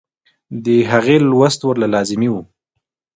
د هغې لوست ورله لازمي وۀ -